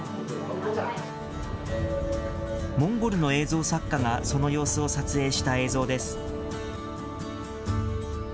モンゴルの映像作家が、その様子を撮影した映像です。